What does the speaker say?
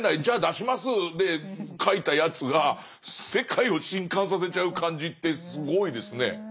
じゃあ出しますで書いたやつが世界を震撼させちゃう感じってすごいですね。